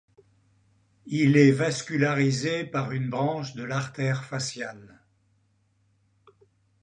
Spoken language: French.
Il est vascularisé par une branche de l'artère faciale.